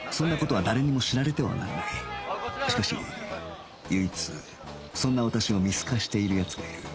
しかし唯一そんな私を見透かしている奴がいる